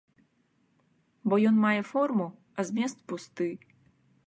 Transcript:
Бо ён мае форму, а змест пусты.